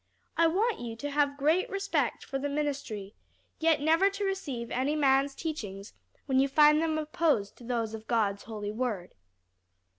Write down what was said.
I want you to have great respect for the ministry, yet never to receive any man's teachings when you find them opposed to those of God's holy word."